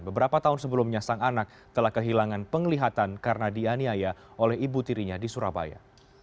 beberapa tahun sebelumnya sang anak telah kehilangan penglihatan karena dianiaya oleh ibu tirinya di surabaya